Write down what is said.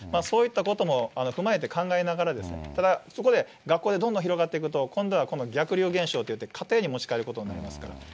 そういったことも踏まえて考えながら、ただそこで学校でどんどん広がっていくと、今度は逆流現象といって、家庭に持ち帰ることになりますから。